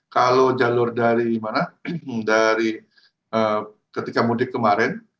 kalau jalur dari mana dari ketika mudik kemarin